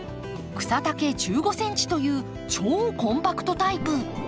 草丈１５ｃｍという超コンパクトタイプ。